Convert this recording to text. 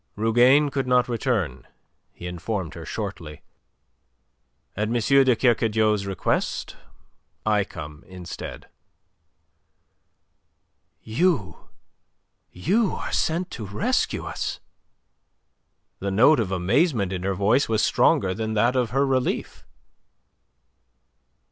"Rougane could not return," he informed her shortly. "At M. de Kercadiou's request, I come instead." "You! You are sent to rescue us!" The note of amazement in her voice was stronger than that of her relief.